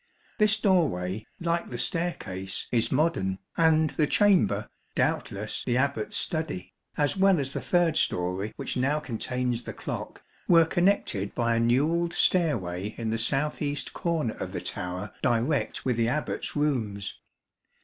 This doorway, like the staircase, is modern, and the chamber, doubtless the Abbat's study, as well as the third storey which now contains the clock, were connected by a newelled stairway in the south east corner of the tower direct with the Abbat's rooms.